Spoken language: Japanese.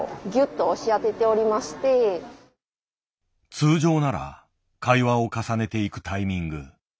通常なら会話を重ねていくタイミング。